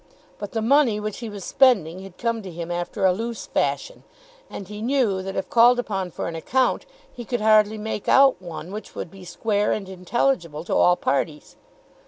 But the money which he was spending had come to him after a loose fashion, and he knew that if called upon for an account, he could hardly make out one which would be square and intelligible to all parties.